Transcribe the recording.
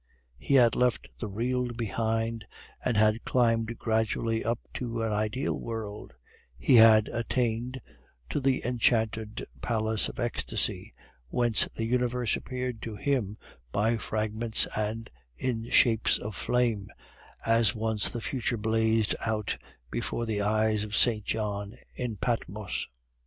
He had left the real behind, and had climbed gradually up to an ideal world; he had attained to the enchanted palace of ecstasy, whence the universe appeared to him by fragments and in shapes of flame, as once the future blazed out before the eyes of St. John in Patmos.